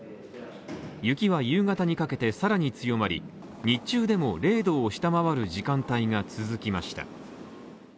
雪は夕方にかけてさらに強まり、日中でも０度を下回る時間帯が続きました。